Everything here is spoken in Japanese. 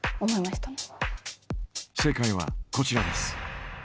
正解はこちらです。